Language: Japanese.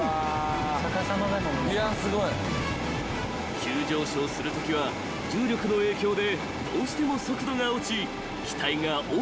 ［急上昇するときは重力の影響でどうしても速度が落ち機体が大きくぶれる］